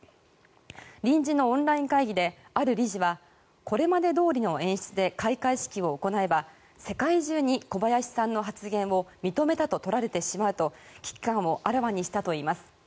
臨時のオンライン会議である理事はこれまでどおりの演出で開会式を行えば世界中に小林さんの発言を認めたと取られてしまうと危機感をあらわにしたといいます。